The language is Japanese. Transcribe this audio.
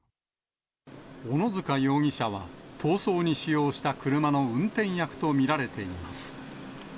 小野塚容疑者は、逃走に使用した車の運転役と見られています。